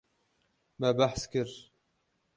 Me behs kir.